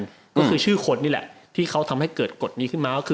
ก็คือชื่อคนที่เขาทำให้เกิดกรดนี้ขึ้นมา